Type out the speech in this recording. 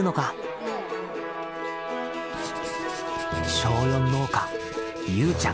小４農家ゆうちゃん。